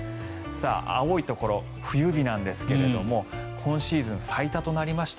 青いところ、冬日なんですけど今シーズン最多となりました。